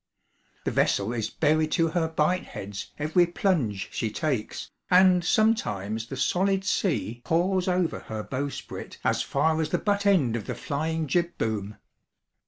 The vessel is buried to her bight heads every plunge she takes, and sometimes the solid sea pours over her bowsprit as far as the but end of the flying jib boom.